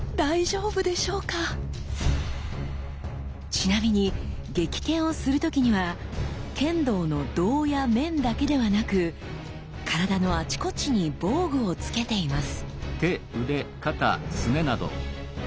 ちなみに撃剣をする時には剣道の胴や面だけではなく体のあちこちに防具を着けています。